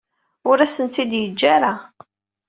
Ur asen-tent-id-yeǧǧa ara.